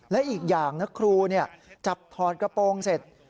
และอีกอย่างนะครูจับถอดกระโปรงเสร็จ